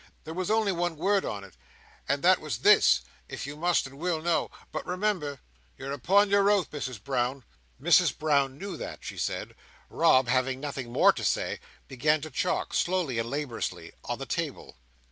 There was only one word on it, and that was this, if you must and will know. But remember! You're upon your oath, Misses Brown!" Mrs Brown knew that, she said. Rob, having nothing more to say, began to chalk, slowly and laboriously, on the table.